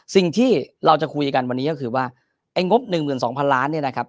สิ่งที่เราจะคุยกันวันนี้ก็คือว่าไอ้งบ๑๒๐๐๐ล้านเนี่ยนะครับ